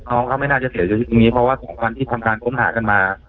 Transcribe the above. น้องเขาไม่น่าจะเสียชีวิตตรงนี้เพราะว่า๒วันที่ทำการค้นหากันมา